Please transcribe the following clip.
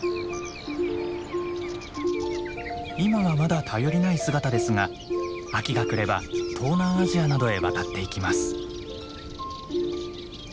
今はまだ頼りない姿ですが秋が来れば東南アジアなどへ渡っていきます。